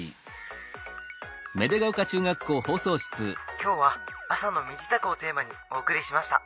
「今日は朝の身支度をテーマにお送りしました。